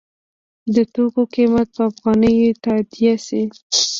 د توکو قیمت په افغانیو تادیه شي.